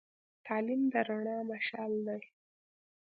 تعلیم د رڼا مشعل دی.